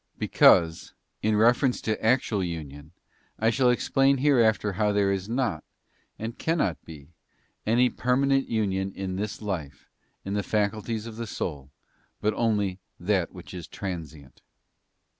Because, in reference to actual union, I shall explain hereafter how there is not, and cannot be, any permanent union in this life in the faculties of the soul, but only that which is transient.